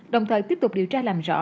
đồng thời tiếp tục điều tra làm rõ